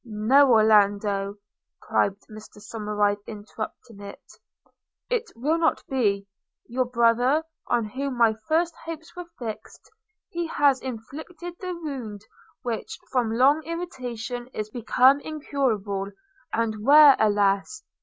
'No, Orlando!' cried Somerive interrupting him, 'it will not be – Your brother, on whom my first hopes were fixed, he has inflicted the wound which, from long irritation, is become incurable; and where – alas!